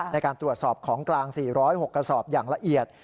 ในการตรวจสอบของกลาง๔๐๖กระสอบอย่างละเอียด